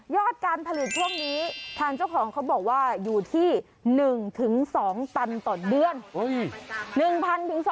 การผลิตช่วงนี้ทางเจ้าของเขาบอกว่าอยู่ที่๑๒ตันต่อเดือน